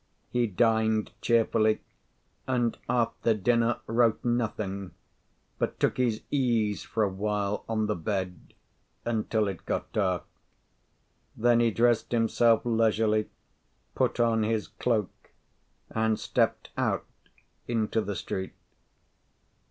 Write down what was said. He dined cheerfully, and after dinner wrote nothing, but took his ease for a while on the bed, until it got dark. Then he dressed himself leisurely, put on his cloak, and stepped out into the street.